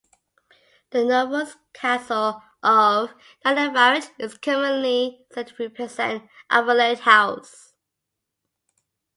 The novel's castle of Darnlinvarach is commonly said to represent Ardvorlich House.